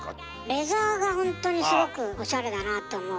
レザーがほんとにすごくおしゃれだなと思う。